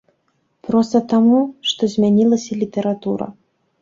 Проста таму, што змянілася літаратура.